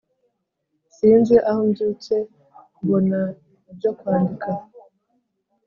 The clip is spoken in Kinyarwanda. Sinzi aho mbyutse mbona ibyo kwandika